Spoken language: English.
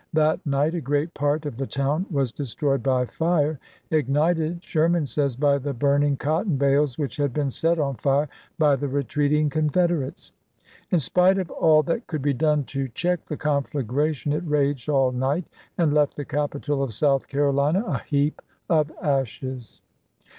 That night a great part of the town was destroyed by fire, ignited, Sherman says, by the burning cotton bales which had been set on fire by the retreating Confederates. In spite of all that could be done to check the conflagration it raged all night, and left the capital of South Carolina a heap of ashes.